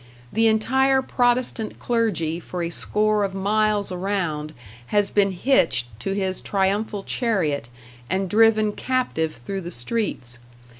The entire Protestant clergy for a score of miles around has been hitched to his triumphal chariot, and driven captive through the streets.